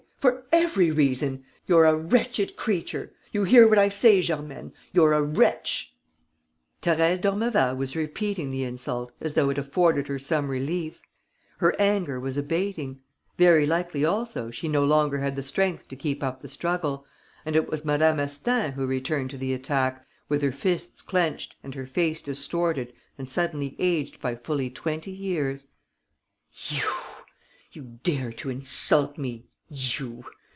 For every reason! You're a wretched creature! You hear what I say, Germaine: you're a wretch!" Thérèse d'Ormeval was repeating the insult as though it afforded her some relief. Her anger was abating. Very likely also she no longer had the strength to keep up the struggle; and it was Madame Astaing who returned to the attack, with her fists clenched and her face distorted and suddenly aged by fully twenty years: "You! You dare to insult me, you!